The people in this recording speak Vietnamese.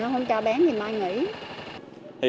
không cho bán gì mà ai nghĩ